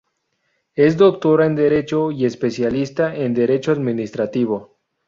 Es doctora en derecho y especialista en Derecho administrativo.